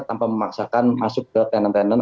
tanpa memaksakan masuk ke tenan tenan